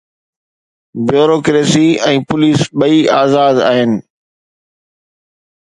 Bureaucracy ۽ police ٻئي آزاد آهن.